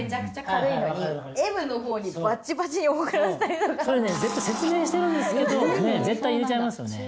あとはそれね絶対説明してるんですけど絶対入れちゃいますよね